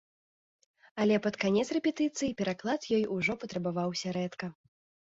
Але пад канец рэпетыцый пераклад ёй ужо патрабаваўся рэдка.